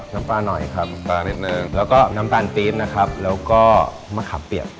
สารหน่อยครับแล้วก็น้ำตาลตี๊บนะครับแล้วก็มะขับเปียบ